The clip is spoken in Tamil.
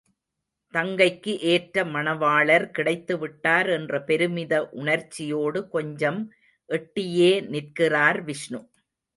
தங்கைக்கு ஏற்ற மணவாளர் கிடைத்துவிட்டார் என்ற பெருமித உணர்ச்சியோடு கொஞ்சம் எட்டியே நிற்கிறார் விஷ்ணு.